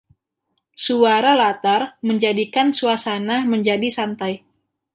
Suara latar menjadikan suasana menjadi santai.